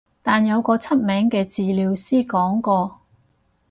但有個出名嘅治療師講過